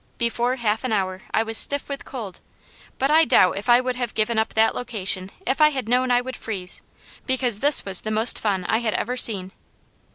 Before half an hour I was stiff with cold; but I doubt if I would have given up that location if I had known I would freeze, because this was the most fun I had ever seen.